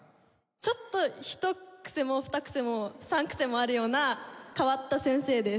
ちょっと一癖も二癖も三癖もあるような変わった先生です。